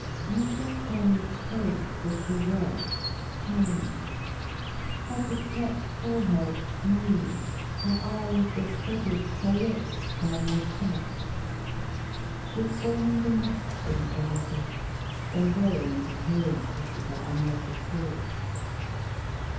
Mrs. Penn's face, as she worked, changed, 169 THE SPEAKING VOICE her perplexed forehead smoothed, her eyes were steady, her lips firmly set. [She formed a maxim for herself, although incoherently with her un lettered thoughts.